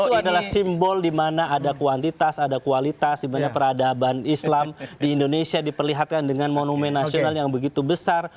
itu adalah simbol di mana ada kuantitas ada kualitas di mana peradaban islam di indonesia diperlihatkan dengan monumen nasional yang begitu besar